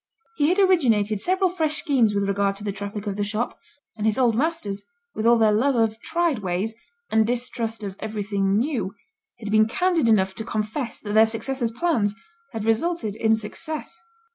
He had originated several fresh schemes with regard to the traffic of the shop; and his old masters, with all their love of tried ways, and distrust of everything new, had been candid enough to confess that their successors' plans had resulted in success.